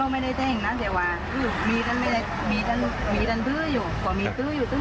มีบ้านมาที่ได้อยู่ที่เลย